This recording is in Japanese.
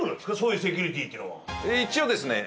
一応ですね